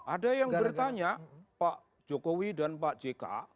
ada yang bertanya pak jokowi dan pak jk